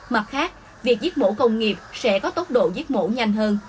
mặt khác việc giết mổ công nghiệp sẽ có tốc độ giết mổ nhanh hơn